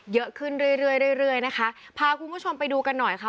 เยอะขึ้นเรื่อยเรื่อยเรื่อยนะคะพาคุณผู้ชมไปดูกันหน่อยค่ะ